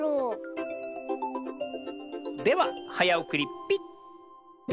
でははやおくりピッ！